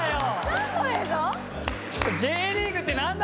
何の映像？